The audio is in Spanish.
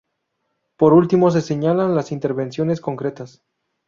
Por último, se señalan las intervenciones concretas.